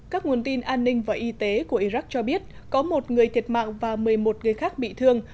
các nguồn tin an ninh và y tế của iraq cho biết có một người thiệt mạng và một mươi một người khác bị thương